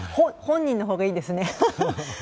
本人の方がいいですね。